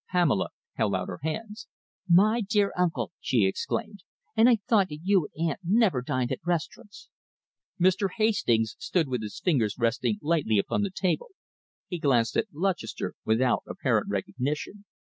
Pamela held out her hands. "My dear uncle!" she exclaimed. "And I thought that you and aunt never dined at restaurants!" Mr. Hastings stood with his fingers resting lightly upon the table. He glanced at Lutchester without apparent recognition.